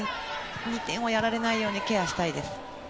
２点をやられないようにケアしたいです。